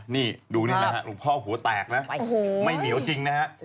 นี่ดูนี่นะฮะหลวงพ่อหัวแตกนะไม่เหนียวจริงนะฮะ